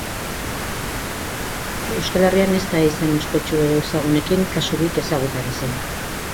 Euskal Herrian ez da izen ospetsu edo ezagunekin kasurik ezagutarazi.